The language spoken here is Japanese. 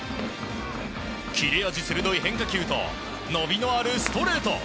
切れ味鋭い変化球と伸びのあるストレート。